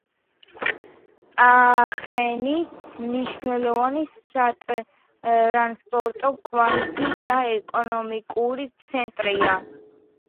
აახენი მნიშვნელოვანი სატრანსპორტო კვანძი და ეკონომიკური ცენტრია.